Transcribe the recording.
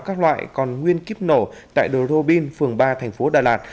các loại còn nguyên kíp nổ tại đồ robin phường ba thành phố đà lạt